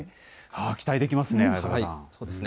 期待できますね。